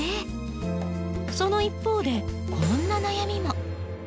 その一方でこんな悩みも。